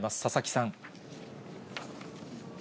佐々木さん。